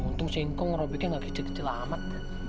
untung singkong robeknya nggak kecil kecil amat